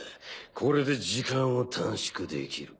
これで時間を短縮できる。